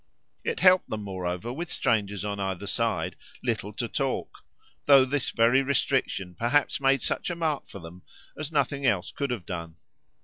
It helped them moreover, with strangers on either side, little to talk; though this very restriction perhaps made such a mark for them as nothing else could have done.